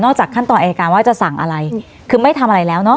จากขั้นตอนอายการว่าจะสั่งอะไรคือไม่ทำอะไรแล้วเนอะ